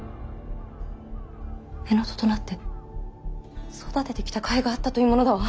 乳母父となって育ててきた甲斐があったというものだわ。